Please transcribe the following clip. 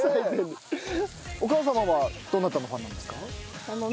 お母様はどなたのファンなんですか？